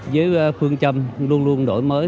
với phương châm luôn luôn đổi mới